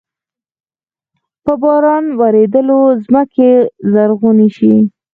په باران ورېدلو زمکې زرغوني شي۔